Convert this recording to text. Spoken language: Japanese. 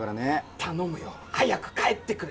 頼むよ早く帰ってくれ。